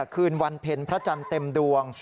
คืนวันเพ็ญพระจันทร์เต็มดวง